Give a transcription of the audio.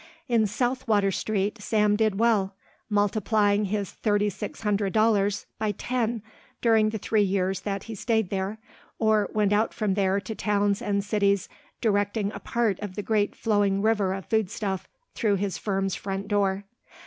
In South Water Street Sam did well, multiplying his thirty six hundred dollars by ten during the three years that he stayed there, or went out from there to towns and cities directing a part of the great flowing river of foodstuff through his firm's front door.